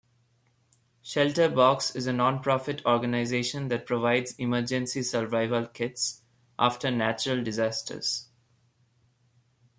Shelter Box is a non-profit organization that provides emergency survival kits after natural disasters.